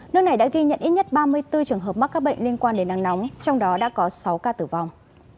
nước này đã ghi nhận ít nhất ba mươi bốn trường hợp mắc các bệnh liên quan đến nắng nóng trong đó đã có sáu ca tử vong